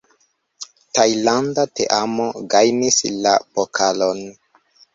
Tajlanda teamo gajnis la pokalon.